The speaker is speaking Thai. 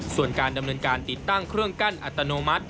ส่วนการดำเนินการติดตั้งเครื่องกั้นอัตโนมัติ